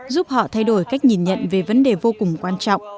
giúp họ thay đổi cách nhìn nhận về vấn đề vô cùng quan trọng